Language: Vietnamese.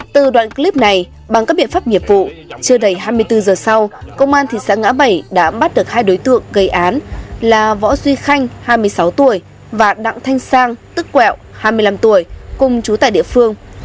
từ đoạn clip này bằng các biện pháp nghiệp vụ chưa đầy hai mươi bốn giờ sau công an thị xã ngã bảy đã bắt được hai đối tượng gây án là võ duy khanh hai mươi sáu tuổi và đặng thanh sang tức quẹo hai mươi năm tuổi cùng chú tại địa phương